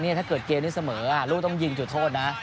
ถ้าเกิดเกมนี้เสมอลูกต้องยิงจุดโทษนะ